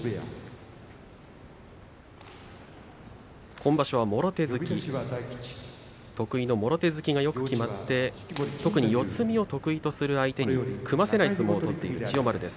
今場所は得意のもろ手突きがよくきまって四つ身を得意とする相手に組ませない相撲を取っている千代丸です。